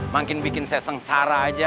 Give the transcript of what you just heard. makin bikin saya sengsara aja